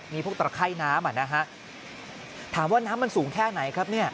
มีพวกตระไข้น้ำถามว่าน้ำมันสูงแค่ไหนครับ